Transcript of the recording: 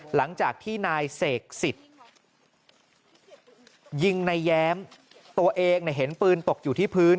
หลังจากที่นายเสกสิทธิ์ยิงในแย้มตัวเองเห็นปืนตกอยู่ที่พื้น